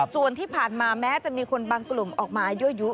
ส่วนที่ผ่านมาแม้จะมีคนบางกลุ่มออกมายั่วยุ